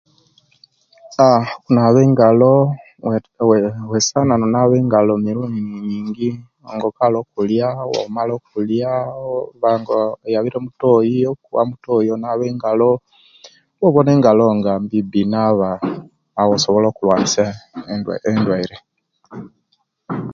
Ah onaabe engalo wee wesana nonaaba engalo emirundi nyingi nga okaali okulia, owomalire okulia owobanga oyabire omutoyi, okuva omutoyi onaaba engalo owowona engalo nga mbiibi naaba, awo osobola okulwanisia endwaire endwaire.